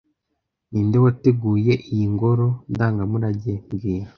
Ninde wateguye iyo ngoro ndangamurage mbwira